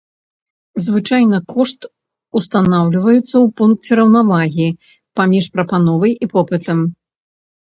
Звычайна кошт устанаўліваецца ў пункце раўнавагі паміж прапановай і попытам.